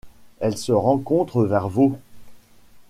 Elle se rencontre vers Wau.